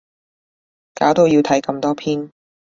搞到要睇咁多篇